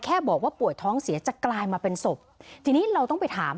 แค่บอกว่าป่วยท้องเสียจะกลายมาเป็นศพทีนี้เราต้องไปถาม